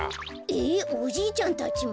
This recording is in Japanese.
えっおじいちゃんたちまで？